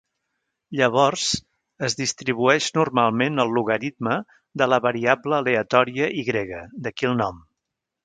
Llavors, es distribueix normalment el logaritme de la variable aleatòria "Y"; d'aquí el nom.